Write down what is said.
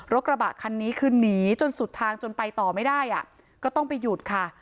กระบะคันนี้คือหนีจนสุดทางจนไปต่อไม่ได้อ่ะก็ต้องไปหยุดค่ะ